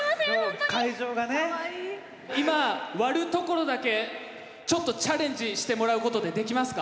今割るところだけちょっとチャレンジしてもらうことってできますか？